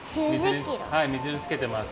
はい水につけてます。